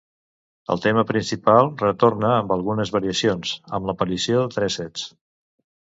El tema principal retorna amb algunes variacions, amb l'aparició de tresets.